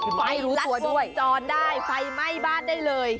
ไฟรัดส่งจรได้ไฟไหม้บ้านได้เลย